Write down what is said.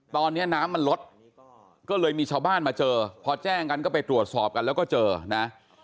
ตอนนี้น้ำมันลดก็เลยมีชาวบ้านมาเจอพอแจ้งกันก็ไปตรวจสอบกันแล้วก็เจอนะ